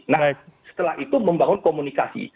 nah setelah itu membangun komunikasi